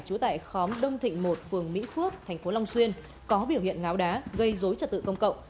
trú tại khóm đông thịnh một phường mỹ phước tp long xuyên có biểu hiện ngáo đá gây dối trật tự công cộng